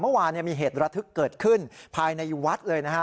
เมื่อวานมีเหตุระทึกเกิดขึ้นภายในวัดเลยนะฮะ